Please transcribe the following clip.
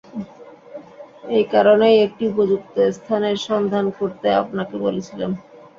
এই কারণেই একটি উপযুক্ত স্থানের সন্ধান করতে আপনাকে বলেছিলাম।